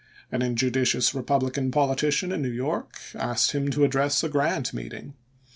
An injudicious Eepublican politician in New York asked him to address a Grant meeting.